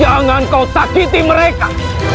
jangan kau sakiti mereka